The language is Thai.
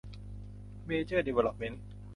เมเจอร์ ดีเวลลอปเม้นท์